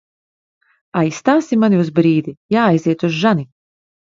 Aizstāsi mani uz brīdi? Jāaiziet uz žani.